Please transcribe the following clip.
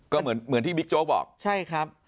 ก็เหมือนที่บิ๊กโจ๊กบอกใช่ครับ